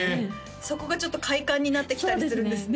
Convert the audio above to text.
そこがちょっと快感になってきたりするんですね